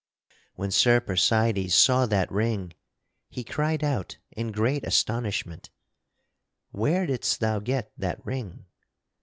When Sir Percydes saw that ring he cried out in great astonishment, "Where didst thou get that ring?"